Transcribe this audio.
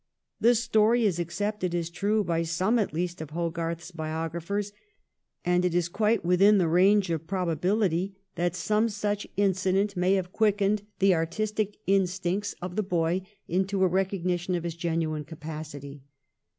The story is accepted as true, by some at least of Hogarth's biographers, and it is quite within the range of probability that some such incident may 1707 14 JOHNSON AND QUEEN ANNE. 313 have quickened the artistic instincts of the boy into a recognition of his genuine capacity.